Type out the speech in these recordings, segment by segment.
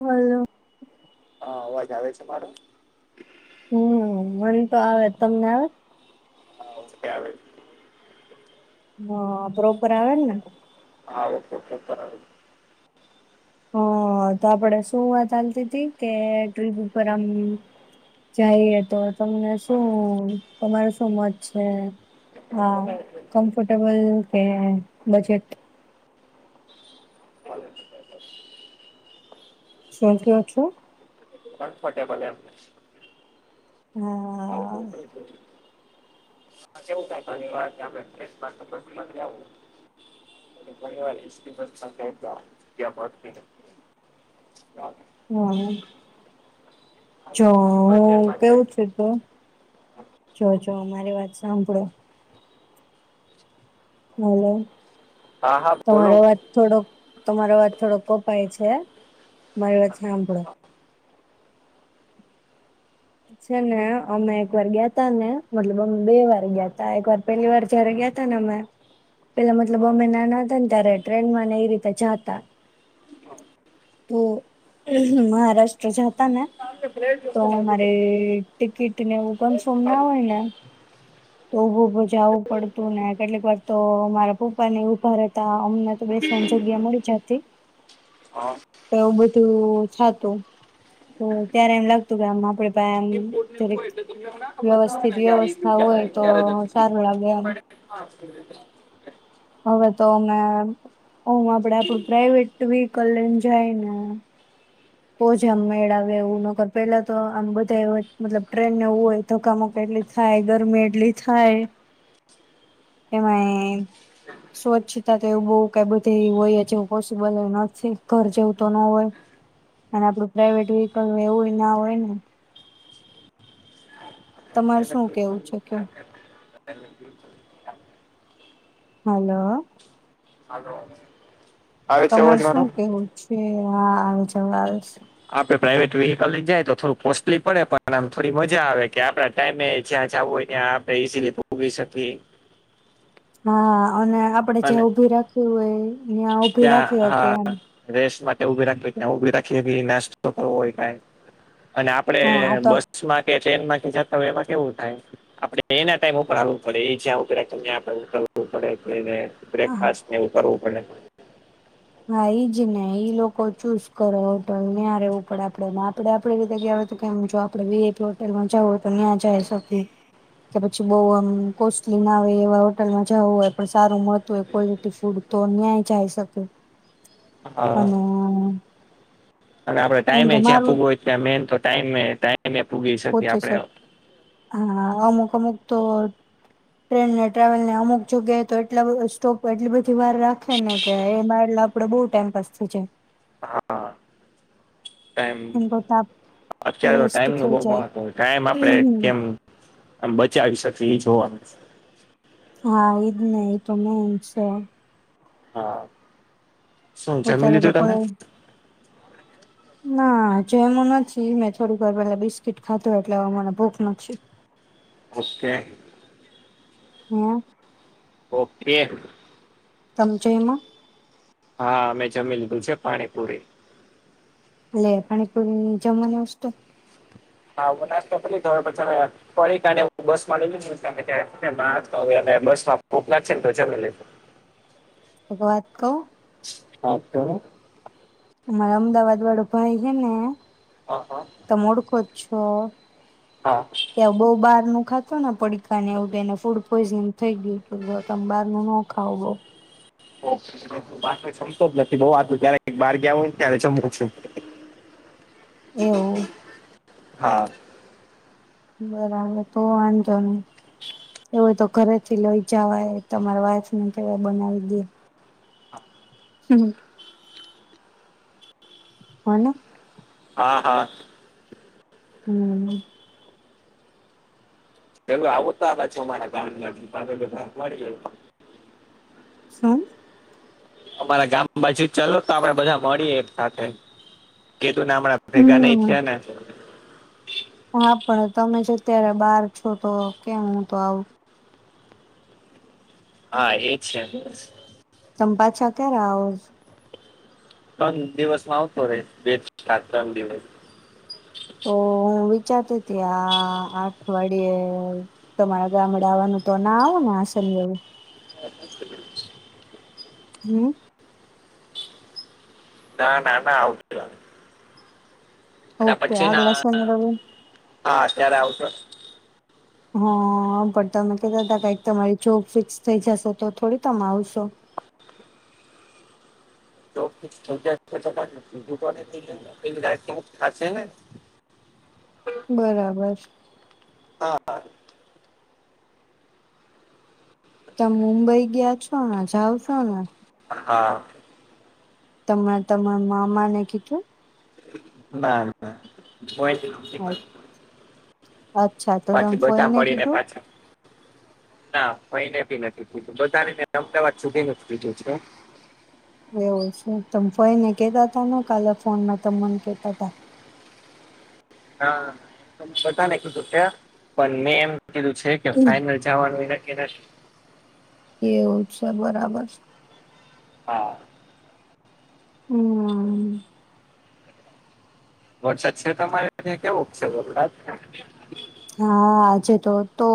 Hello. હા અવાજ આવે છે મારો. હમ, મન તો આવે, તમને. હા, આવે. છે હ, પ્રોપર આવે ને? હા ઓકે [unintelligible] હ તો આપડે શું વાત ચાલતી હતી કે ટ્રીપ ઉપર આમ જાઈએ તો તમને શું તમારું શું મત છે? હા કમ્ફર્ટેબલ કે બજેટ શું ક્યો છો? કમ્ફરટેબલ એમ હા. [inaudible] [unintelligible] [unintelligible] [unintelligible] હા જો હું ટ્રેનમાં જઈએ. કેવું છુ તો જો જો મારી વાત સાંભળો. હલો હા હા બોલો તમારો અવાજ થોડોક તમારા અવાજ થોડો કપાય છે. મારી વાત સાંભળો. છે ને અમે એક વાર ગયા તા ને મતલબ અમે બે વાર ગયા તા એક વાર પહેલી વાર જયારે ગયતાને અમે. પેલા મતલબ અમે નાના હતા ને ત્યારે ટ્રેનમાંને એ રીતે જાતા. તો મહારાષ્ટ્ર જતા ને આપણે ફ્લેટ તો જોશે અમારે બાજુમાં. ટિકિટને એવુ કન્ફર્મ ન હોય ને તો ઉભું ઉભું જવું પડતું ને કેટલીક વાર તો અમારા પપ્પા ને ઉભા રેતા અમને તો બેસ પણ જગ્યા મળી જાતી. હા તો એવું બધું થતું તો ત્યારે એમ લાગતું કે આમ આપડે એમ ઇમ્પોર્ટ ને એવું જરિક હોય એટલે તમને ના ખબર હોય વ્યવસ્થિત ને કે આવી ગયું વ્યવસ્થા ક્યારે હોય તો ક્યારે જ સારું લાગે એમ. [unintelligible] હવેતો અમે ઓમ આપડે આપડું પ્રાઈવેટ વેહકલ લઈને જાય ને તો જ આમ મેળ આવે એવું ન કર પેલા તો આમ બધા મતલબ ટ્રેનને એવું હોય ધક્કામુક્કી એટલી થાય ગરમી એટલી થાય. એમાંય સ્વચ્છતા તો એવુ બહુ કઈ બધી હોય જેવ પોસિબલ નથી ઘર જેવું તો ન હોય. અને આપડું પ્રાાઈવેટ વ્હીકલ એવું ના હોય ને તમારે શું કેવું છે કે? હાલો. હાલો તમારે શું કેવું છે હા આવે છે [unintelligible] આપડે પ્રાઈઇવેટ વેહિકલ લઈને જાય તો થોડું કોસ્ટલી પડે પણ આમ થોડી મજા આવે કે આપડા ટાઈમે જ્યાં જાવું હોય ત્યાં આપણે ઇઝીલી પૂગી શકીએ. હા અને આપડે જ્યાં અને ઊભી રાખવી હોય ત્યાં ઉભી ત્યાં રાખી હકીએ એમ. હા રેસ્ટ માટે ઉભી રાખવી ત્યાં ઉભી રાખી, નાસ્તો કરવો હોય કાય અને આપણે હા આ તો બસ માં કે ટ્રેનમાં કે જતા હોય એમાં કેવું થાય આપડે એના ટાઈમ ઉપર હાલવું પડે એ જ્યા ઊભી રાખે ત્યાં રોકવું પડે [unintelligible] હા બ્રેકફાસ્ટ ને એવું કરવું પડે. હા ઈજ ને ઈ લોકો ચૂઝ કરો હોટલ ન્યાં રહેવું પડે આપડેમાં આપડે આપડી રીતે ગયા હોય તો કે જો આપડે વિઆઇપિ હોટેલમાં જવુ હોય તો ત્યાં જાય શકિએ. કે પછી બઉ આમ કોસ્ટલી ના આવે એવા હોટલમાં જવું હોય પણ સારું મળતું હોય ક્વોલિટી ફૂડ તો ન્યાય જઈ શકે. હા. અને અને આપડે એમ તો ટાઈમે જ્યાં મારું પૂગવુ હોય ત્યાં મેન તો ટાઈમે ટાઈમે પૂગી શકીએ પોચી આપણે. શક હા અમુક અમુક તો ટ્રેનને ટ્રાવેલ ને અમુક જગ્યાએ તો એટલા સ્ટોપ એટલી બધી વાર રાખે ને કે એમાં એટલા આપડે બહુ ટાઈમ પાસ થય જાય. [inaudible] ટાઈમ એમ કરતા અત્યારે તો વેસ્ટ ટાઈમ નુ થઈ જાય બહું ટાઈમ આપડે કેમ આમ બચાવી શકે એ જોવા મળ છે. હા એ જ નને એ તોમેન છે હા શું જમી લીધું તમે હ ના જે એમ નથી મેં થોડી વાર પેલા બિસ્કીટ ખાધું એટલે હ મને ભૂખ નથી ઓકે હમ ઓકે તમચેમાં હા અમે જમી લીધું છે પાણીપુરી લે પાણી પૂર જમની આવ હા બનાશ તો થ પછા ફ હું બસ માં લઈ લ તો બસમાં મોકલા છે ને તો જમે લે એક વાત કું હા તો અમારે અમદાવાદ વાળું ભાઈ છે ને હા હા ત મોડકો છો હા ત્યાં બહુ બારું ખાતું ને પડીકાને એવું એને ફૂડ પોઈઝન થઈ ગયું તું તમે બહાર ન ન ખાવ બહ પાછ જમતો જ નથી બઉ આટું ત્યારે એક બાર ગ આવ ને ત્યારે જમ છું એવું હા બરાબર તો વાંધતોો ન એવય તો ઘરેથી લઈ જવાય તમારા વાઈફને કેવાય બનાવી દે હમ હ હા હા હમ પેું આવતા છે મારા ગામેડી ગ શું અમારા ગામ બાજુ ચાલ તો આપડે બધા મળીએ એ સાથે કીધું ને હણાં ભેગાને હમ ઈઠિયા ને હા પણ તમે જેત્યારે બાર છો તો કેમ હું તો આવું હા એજ છે તમ પાાછા ક્યા ર ત્રણ દિવસ માં આવતો રહેે બે સાત ત્રણ દિવસ તો હું વિચારતી હતી આ અઠવાડિયે તમારા ગામડે આવવાનું તો ના આવેો ને આસન હમ ના ના ના આવતી એના ઓકે પછીના આગલા શનિ રવિ હા અત્યારે આઉટ ઓફ હ પણ તમે કતા હતા કક તમારી જોબ ફિક્સ થઈ જશે તો થોડી તમે આવશો તો ટુંાયુક થશે ને બરાબર હા હા તમ મુંબઈ ગયા છો? હા જાવ છો ને? હા તમા તમાર મામા ને કીધું? ના ના [inaudible] અચ્છા [inaudible] તો તમે પાછી બધા ફઈને મળીને કીધું પાછા ના કોઈને બી નથી કીધું બધાને મેં અમદાવાદ સુધીનું જ કીધું છે. એવું છે તમે ફઈને કેતાતા ને કાલે ફોનમાં તમ મને કેતાતા. હા એમ તો મેં બધાંને કીધું છે પણ મેં એમ કીધું છે કે ફાઈનલ જાવાનું નક્કી નથી. એવું છે બરાબર. હા હમ વરસાદ છે તમારે ત્યાં કેવોક છે વરસાદ? હા આજે તો તો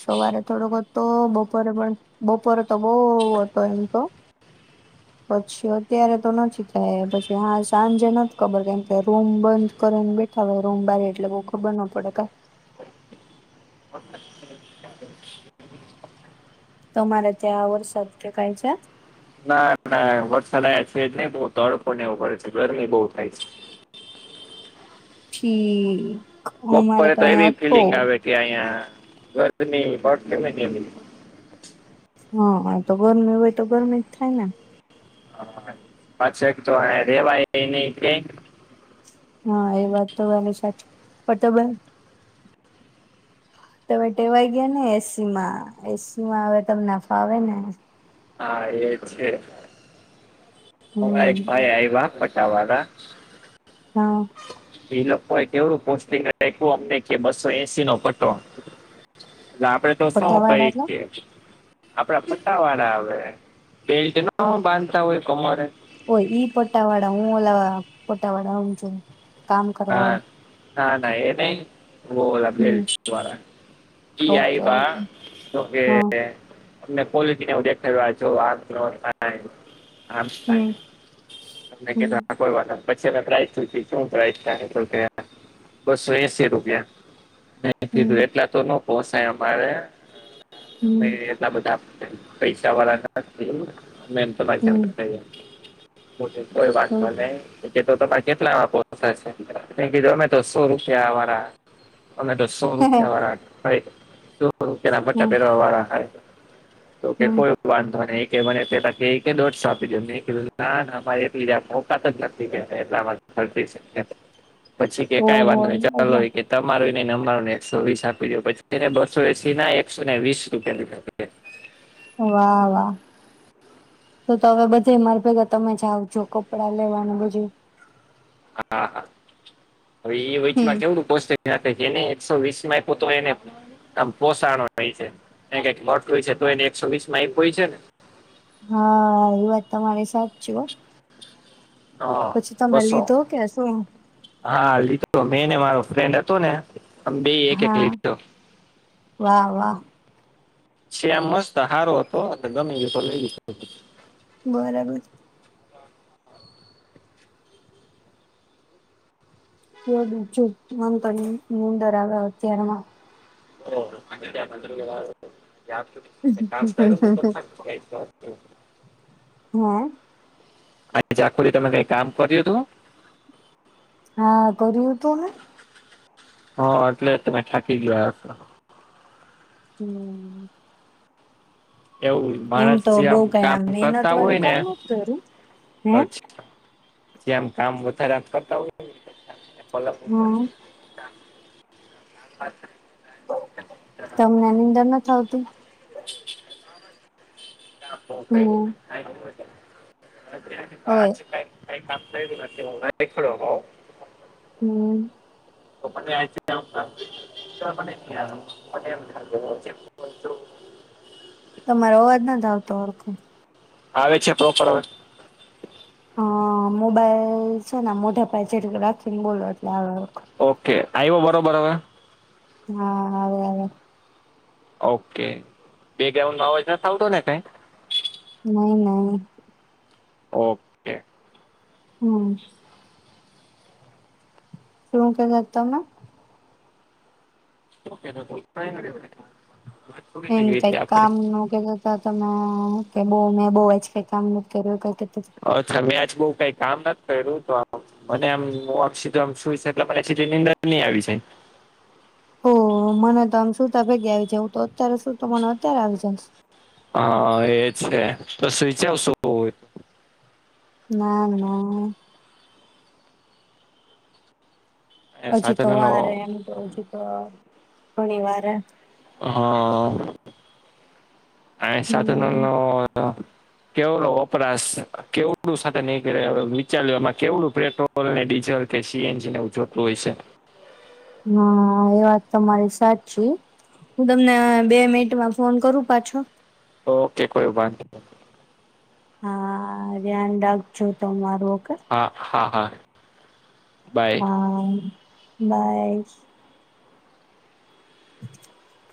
સવારે થોડોક હત તો બપોરે પણ બપોરે તો બહુ હતો એમ તો. પછી અત્યારે તો નથી કાય પછી હા સાંજે નથ ખબર કેમ કે રૂમ બંધ કરીને બેઠા હોય રૂમ બારી એટલે બઉ ખબર ન પડે કાઈ [inaudible] તમારે ત્યાં વરસાદ કે કાઈ છે? ના ના વરસાદ આયા છે જ નહી બહુ તડકોને એવો પડે છે ગરમી બહુ થાય છે. ઠીક અમારા તો અહીંયા હતો. તે અહીંયા ગરમી પડતી હોય ને એવી હા હા તો ગરમી હોય તો ગરમી જ થાય ને. હા પાછા એક તો અહીંયા રેવાય નહીં કાંઈ હા એ વાત તો તમારી સાચી પણ તો બય તમે ટેવાઈ ગયા ને એસીમાં એસીમાં હવે તમને ફાવે ને હા એ છે હમણાં એક હમ ભાઈ આવ્યા પટાવાળા હા ઈ લોકોએ કેવડુ પોસ્ટિંગ આપ્યું અમને કે બસો એસીનો પટો એટલે આપડે તો શું પટ્ટા વાળા કંઈક એટલે કે આપડા પટ્ટાવાળા આવે બેલ્ટ ના બાંધતા હોય કમરે ઓ ઈ પટાવાળા હું ઓલા પટાવાળા હમજુ. કામ કરવા હા વાળા ના ના એ નહીં. હું ઓલા હમ બેલ્ટ વાળા ઈ ઓકે આયવા ઓકે તો કે હા તમને કોલિટીને એવું દેખાડવા આ જોવા આ ત્રણ થાય. આમ હમ થાય તમને કીધું હમ હા કોઈ વાત નહીં પછે નો પ્રાઈઝ શું છે શું થાય. [inaudible] બસો એસી રૂપિયા મેં હમ કીધું એટલા તો નો પોષાય અમારે હમ અમે એટલા બધા પૈસાવાળા નથી અમે તમારી હમ જેમ જ હમ રહીએ તો કે કોઈ હમ વાંધો નઈ ઓકે તો તમારે કેટલા આવા પોસાશે. મેં કીધું અમે તો સો રૂપિયા વાળા અમે તો સો રૂપિયાવાળા સો રૂપિયાના પટ્ટા પહેરવાવાળા હઇ તો કે કોઈ વાંધો નઈ કે મને પેલા કે કે દોઢસો આપી દો મેં કીધું ના ના ભાઈ એટલી આ મોંધ તાકાત જ નથી એટલા [inaudible] એમ પછી કેતા ઓહો [inaudible] ચલો એટલે ઈ કે તમારું એ નઈ ને અમારું એ નઈ એકસો વીસ આપી દો પછી એને બસો એસીના એકસો ને વીસ રૂપિયા લીધા તા. વાહ! વાહ! તો તો હવે બધે માર ભેગા તમે જ આવજો કપડાં લેવાને બધુએ હા હવે ઈ હમ વચમાં કેવડું જેને એકસો વીસ માં આપ એને એકમ પોષણો હોય છે કઈક લોટ હોય છે તો એને એકસો વીસ માં હોય છે ને. હા એ વાત તમારી સાચ છેુ. હા પછી તમે બસો લીધો કે શુ હા લીધો મેંને મારો ફ્રેન્ડ હતો ને બે એક એક હા લીધો. વાહ વાહ છેમ મસ્ત હારો હતો ગમે દિવસ લઈ ગ બરાબર ક બીું મમ તો ંદર આવ અત્યારમાં ઓ હમ હમ અ ચખોલી તમે કઈ કામ કર્યું હતુ. હા કર્યું હતું ને હ એટલે તમે થાકી ગયા હ છો. હમ એવુ એમ માણસ તો જે બઉ આમ કઈ કામ મહેનત કરતા વાળું હોય ને કામ નત કર્યું હે અચછા જેમ કામ વધારે કરતા હોયલવુ. હમ અચછા તમને નિંદન ન થ આવતુ. હા હમ વાચ ક કઈ હોય કામ હ ખડુ. હમ તો ફોન જોઉં. તમારો અવાજ નથી આવતો હોડખો. આવે છે પ્રોપર આવે હ મોબાઈલ છે ને મોઢા પાય જે રાખીને બોલો એટલે ઓકે આઈવ બરોબર હવે. હા અ ઓકે બે ગ ન વા સાતો ને કઈ નહી નહી. ઓકે હમ શું કે જતો ઓ એમ ત કામ ન કે તો તમે કે બઉ મેં બહુ જ કઈ કામ ન કર્યું ક તમે આજ બઉુ કઈ કામ નથી કર્યું તો આમ. મને એમ સીધુંમ સુ છે એટલે મ સી નીર નઈ આવી જ ઓ મને તો આમ સુુંતા ભેગા આવી જાય હું તો અત્યારે શું તો મને અત્યારે આવી જશ હા એજ છે તોચાવશું ના ના એ હજી તો સાધનોનો વાર એમ તો હજી તો ઘણી વાર હા સાચ હમ નલ ન કેવલોો વપરાશ કેવડું સાથે નહી કર વિચાર્યોમાં કેવડું પ્રેટ પેટ્રોલ ને ડીઝલ કે સીએનજી ને ઉજવતું હોય છે. હા એ વાત તમા મારી સાચ છે. હું તમને બે મિનિટમાં ફોન કરું પાછો. ઓકે કોઈભાર હવેયાન ડક ચૂતો તમારો હા હા હા બાય હા બાઈ. [inaudible]